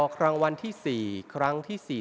อครั้งวันที่๔ครั้งที่๔๑